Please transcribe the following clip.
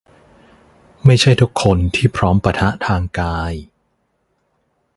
ไม่ใช่ทุกคนที่พร้อมปะทะทางกายภาพ